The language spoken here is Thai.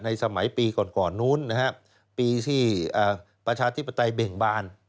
ในสมัยปีก่อนนู้นปีที่ประชาธิปไตยเบ่งบาน